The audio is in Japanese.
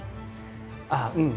あっうん。